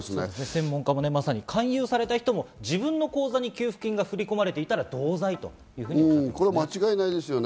専門家も、勧誘された人も自分の口座に給付金が振り込まれていたら同罪と言っています。